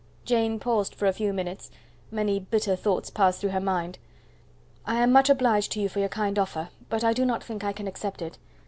Jane paused for a few minutes many bitter thoughts passed through her mind. "I am much obliged to you for your kind offer, but I do not think I can accept it.